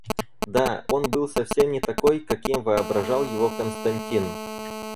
Да, он был совсем не такой, каким воображал его Константин.